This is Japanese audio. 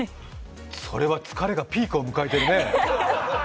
それは疲れがピークを迎えているね？